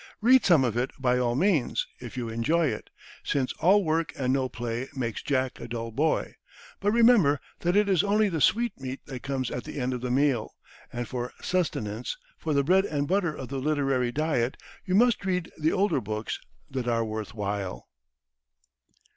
Read some of it, by all means, if you enjoy it, since "all work and no play makes Jack a dull boy"; but remember that it is only the sweetmeat that comes at the end of the meal, and for sustenance, for the bread and butter of the literary diet, you must read the older books that are worth while.